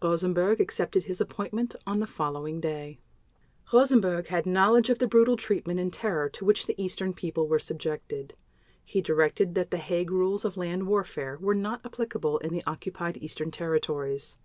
Rosenberg accepted his appointment on the following day. Rosenberg had knowledge of the brutal treatment and terror to which the Eastern people were subjected. He directed that the Hague Rules of Land Warfare were not applicable in the Occupied Eastern Territories.